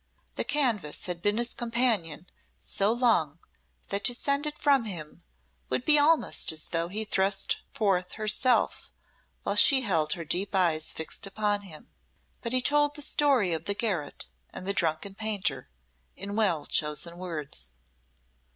The canvas had been his companion so long that to send it from him would be almost as though he thrust forth herself while she held her deep eyes fixed upon him. But he told the story of the garret and the drunken painter, in well chosen words.